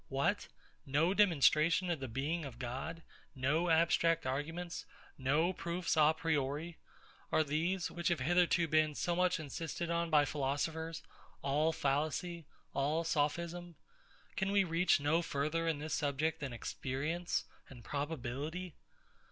What! No demonstration of the Being of God! No abstract arguments! No proofs a priori! Are these, which have hitherto been so much insisted on by philosophers, all fallacy, all sophism? Can we reach no further in this subject than experience and probability?